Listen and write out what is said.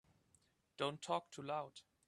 Don't talk too loud.